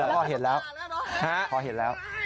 พอเห็นแล้ว